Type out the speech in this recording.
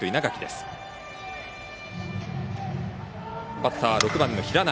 バッター、６番の平内。